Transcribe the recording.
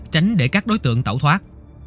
tránh để các đối tượng tẩu thoát